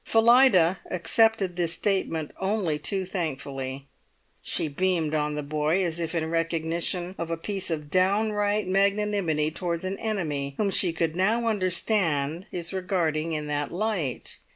Phillida accepted this statement only too thankfully. She beamed on the boy, as if in recognition of a piece of downright magnanimity towards an enemy whom she could now understand his regarding in that light.